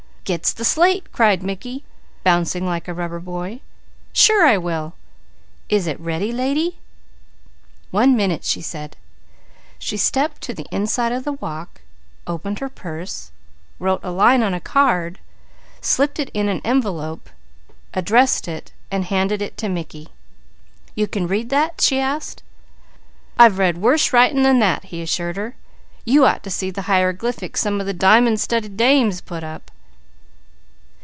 "Gets the slate!" cried Mickey, bouncing like a rubber boy. "Sure I will! Is it ready, lady?" "One minute!" she said. She stepped to the inside of the walk, opened her purse, wrote a line on a card, slipped it in an envelope, addressed it and handed it to Mickey. "You can read that?" she asked. "I've read worse writing than that," he assured her. "You ought to see the hieroglyphics some of the dimun studded dames put up!"